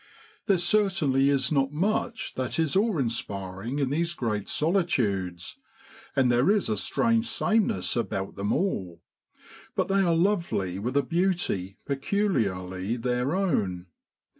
60 JUNE IN BROADLAND. There certainly is not much that is awe inspiring in these great solitudes, and there is a strange sameness about them all ; but they are lovely with a beauty peculiarly their own.